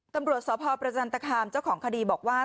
ตำรวจสพประจันตคามเจ้าของคดีบอกว่า